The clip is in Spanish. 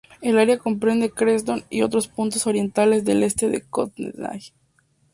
El área comprende Creston y otros puntos orientales del este de Kootenay.